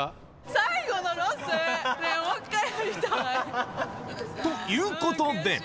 最後のロス。ということで。